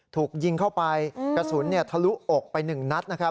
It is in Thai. ถูกยิงเข้าไปกระสุนทะลุอกไปหนึ่งนัด